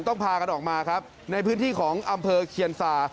พากันออกมาครับในพื้นที่ของอำเภอเคียนซา